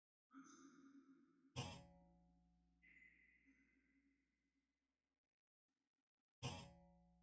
Estos cambios estaban principalmente dirigidos a lograr un mayor desarrollo de los futbolistas nacionales.